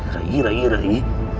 rai rai rai